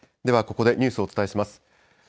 ではここでニュースをお伝えします。